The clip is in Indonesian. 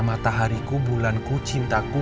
matahari ku bulan ku cintaku